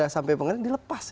sampai pengadilan dilepas